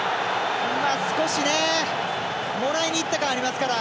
少し、もらいに行った感ありますから。